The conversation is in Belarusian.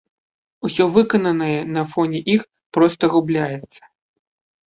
Усё выкананае на фоне іх проста губляецца.